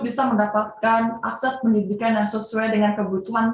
bisa mendapatkan akses pendidikan yang sesuai dengan kebutuhan